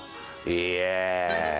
イェーイ。